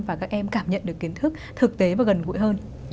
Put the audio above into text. và các em cảm nhận được kiến thức thực tế và gần gũi hơn